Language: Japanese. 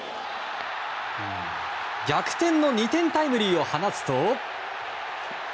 逆転の２点タイムリーを放つと。